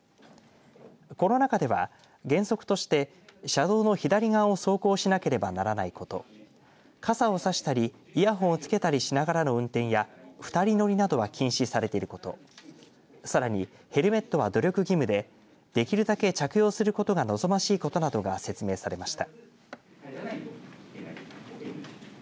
この中では、原則として車道の左側を走行しなければならないこと傘をさしたりイヤホンをつけたりしながらの運転や２人乗りなどは禁止されていることさらにヘルメットは努力義務でできるだけ着用することが望ましいことなどが説明されました。